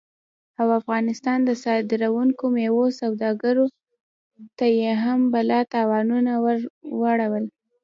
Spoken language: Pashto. او افغانستان نه د صادرېدونکو میوو سوداګرو ته یې هم بلا تاوانونه ور واړول